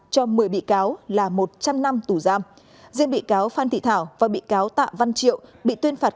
cho một mươi bị cáo là một trăm linh năm tù giam riêng bị cáo phan thị thảo và bị cáo tạ văn triệu bị tuyên phạt